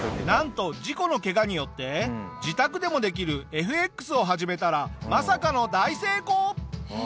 なんと事故のケガによって自宅でもできるＦＸを始めたらまさかの大成功！